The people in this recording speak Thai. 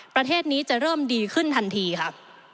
ประเทศนี้จะเริ่มดีขึ้นทันทีครับ